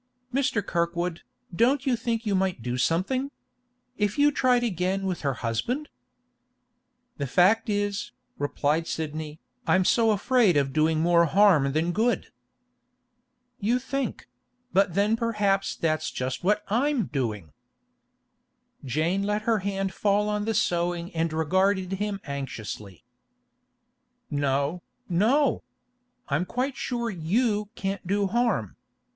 Mr. Kirkwood, don't you think you might do something? If you tried again with her husband?' 'The fact is,' replied Sidney, 'I'm so afraid of doing more harm than good.' 'You think—But then perhaps that's just what I'm doing?' Jane let her hand fall on the sewing and regarded him anxiously. 'No, no! I'm quite sure you can't do harm.